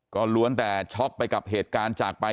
ก็ล้วนแต่ช็อกไปกับเหตุการณ์จากไป